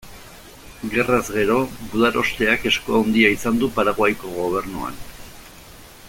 Gerraz gero, gudarosteak esku handia izan du Paraguaiko gobernuan.